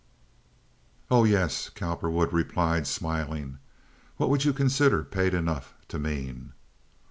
"Oh yes," Cowperwood replied, smiling. "What would you consider 'paid enough' to mean?"